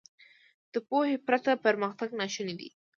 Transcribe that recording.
• د پوهې پرته پرمختګ ناشونی دی.